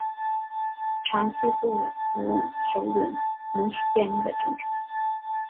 长其部族首领侬氏建立的政权。